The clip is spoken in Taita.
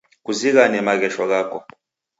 Kuzighane maghesho ghako.